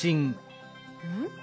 うん？